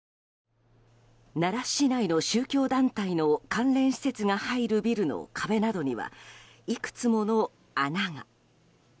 奈良市内の宗教団体の施設が入る壁などには、いくつもの穴が。